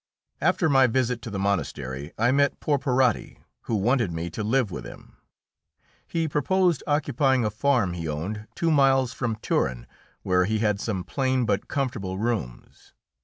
After my visit to the monastery I met Porporati, who wanted me to live with him. He proposed occupying a farm he owned two miles from Turin, where he had some plain but comfortable rooms.